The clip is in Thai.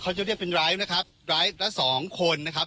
ก็จะเป็นสองคนนะครับ